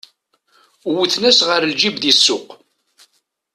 Wwten-as ɣer lǧib di ssuq.